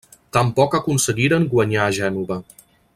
Tampoc aconseguiren guanyar a Gènova.